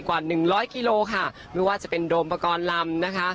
กว่า๑๐๐กิโลค่ะไม่ว่าจะเป็นโดมประกอลลำนะคะ